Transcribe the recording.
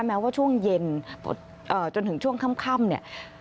แม้ว่าช่วงเย็นจนถึงช่วงค่ำเนี่ย